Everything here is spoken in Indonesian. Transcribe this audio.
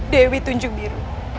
dewi tunjung biru